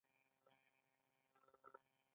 دغه راز انځورګر هم د دې کار لپاره نیسي